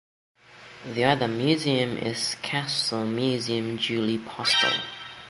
The other museum is Castle Museum Julie Postel.